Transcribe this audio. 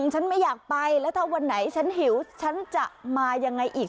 ฉันไม่อยากไปแล้วถ้าวันไหนฉันหิวฉันจะมายังไงอีก